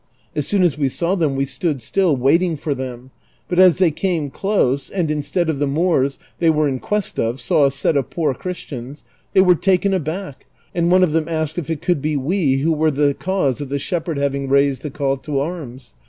As soon as we saw them we stood still, waiting for them ; but as they came close and, instead of the Moors they were in quest of, saw a set of poor Christians, they were taken aback, and one of them asked if it could be we who were the cause of the shepherd having raised the call to arras.